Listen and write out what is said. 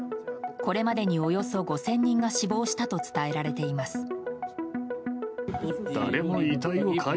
これまでにおよそ５０００人が死亡したと伝えられています。